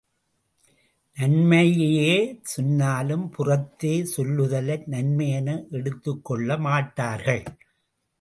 நன்மையையே சொன்னாலும் புறத்தே சொல்லுதலை நன்மையென எடுத்துக்கொள்ள மாட்டார்கள்.